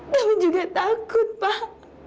tapi juga takut pak